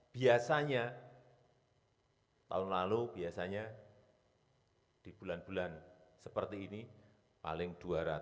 biasanya tahun lalu biasanya di bulan bulan seperti ini paling dua ratus sepuluh dua ratus dua puluh